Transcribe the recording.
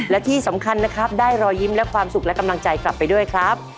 และที่สำคัญนะครับได้รอยยิ้มและความสุขและกำลังใจกลับไปด้วยครับ